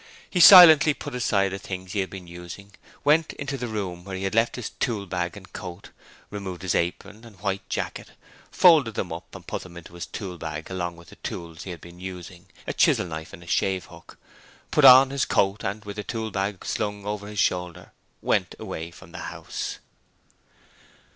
He silently put aside the things he had been using, went into the room where he had left his tool bag and coat, removed his apron and white jacket, folded them up and put them into his tool bag along with the tools he had been using a chisel knife and a shavehook put on his coat, and, with the tool bag slung over his shoulder, went away from the house.